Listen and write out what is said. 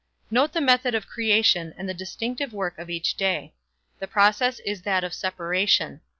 Note the method of creation and the distinctive work of each day. The process is that of separation.